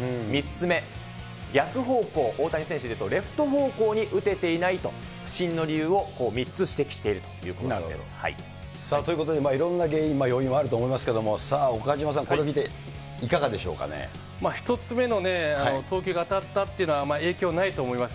３つ目、逆方向、大谷選手でいうと、レフト方向に打てていないと不振の理由を３つ指摘しているというということで、いろんな原因、要因はあると思いますけれども、さあ、岡島さん、これ見て、１つ目の投球が当たったってこれはないですか？